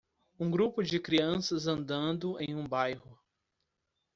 Um grupo de crianças andando em um bairro.